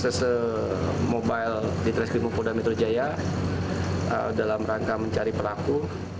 sese mobil di transkrim polda metro jaya dalam rangka mencari pelaku